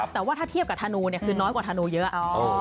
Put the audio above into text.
แต่ว่าถ้าเทียบกับธนูเนี่ยคือน้อยกว่าธนูเยอะ